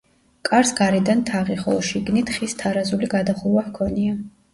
კარს გარედან თაღი, ხოლო შიგნით ხის თარაზული გადახურვა ჰქონია.